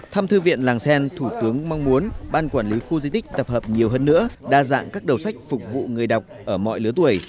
thăm thư viện làng xen thủ tướng mong muốn ban quản lý khu di tích tập hợp nhiều hơn nữa đa dạng các đầu sách phục vụ người đọc ở mọi lứa tuổi